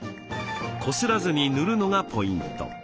こすらずに塗るのがポイント。